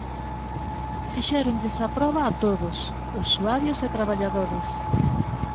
Fixéronlles a proba a todos: usuarios e traballadores.